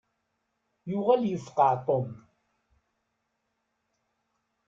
Yuɣal yefqeɛ Tom.